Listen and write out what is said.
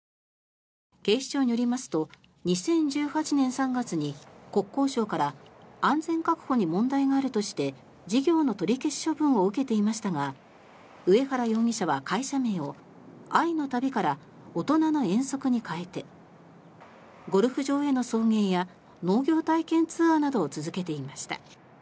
警視庁によりますと２０１８年３月に国交省から安全確保に問題があるとして事業の取り消し処分を受けていましたが上原容疑者は会社名を愛の旅からおとなの遠足に変えてゴルフ場への送迎や農業体験ツアーなどを続けていました。